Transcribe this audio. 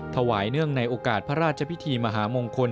เนื่องในโอกาสพระราชพิธีมหามงคล